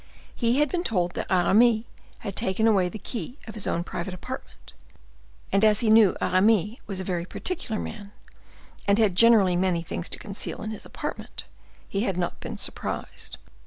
He had been told that Aramis had taken away the key of his own private apartment, and as he knew Aramis was a very particular man, and had generally many things to conceal in his apartment, he had not been surprised.